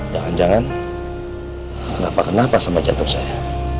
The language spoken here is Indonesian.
jangan jangan tak ada apa apa sama jantung saya